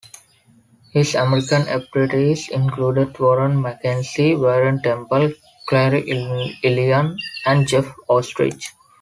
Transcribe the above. His American apprentices included: Warren MacKenzie, Byron Temple, Clary Illian and Jeff Oestrich.